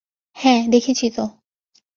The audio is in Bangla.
হ্যাঁ, দেখেছি তো।